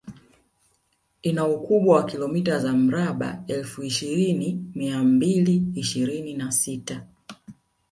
Ina ukubwa wa kilomita za mraba elfu ishirini mia mbili ishirini na sita